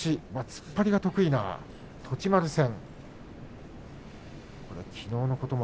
突っ張りが得意な栃丸戦。